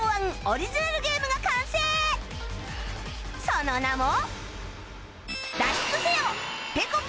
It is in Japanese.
その名も